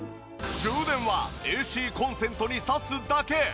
充電はＡＣコンセントに挿すだけ。